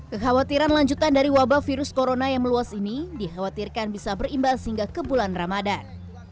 kekhawatiran lanjutan dari wabah virus corona yang meluas ini dikhawatirkan bisa berimbas hingga ke bulan ramadan